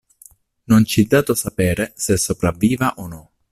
Non ci è dato sapere se sopravviva o no.